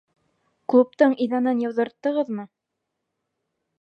Клубтың иҙәнен йыуҙырттығыҙмы?